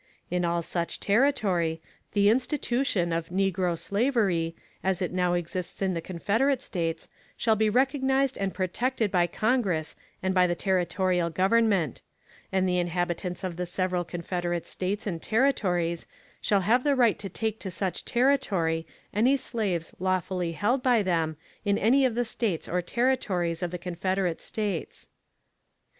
In all such territory, the institution, of negro slavery, as it now exists in the Confederate States, shall be recognized and protected by Congress and by the territorial government; and the inhabitants of the several Confederate States and Territories shall have the right to take to such Territory any slaves lawfully held by them in any of the States or Territories of the Confederate States.